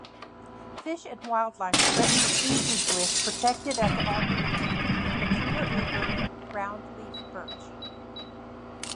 Fish and Wildlife Threatened Species list protected at the arboretum: Betula uber, Round-Leaf Birch.